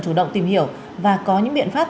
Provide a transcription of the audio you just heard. chủ động tìm hiểu và có những biện pháp